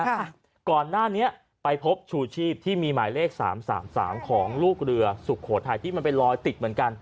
ค่ะก่อนหน้านี้ไปพบชูชีพที่มีหมายเลขสามสามสามของลูกเรือสุโขทัยที่มันไปลอยติดเหมือนกัน